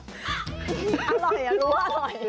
อร่อยรู้ว่าอร่อย